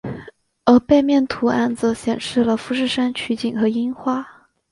而背面图案则显示了富士山取景和樱花。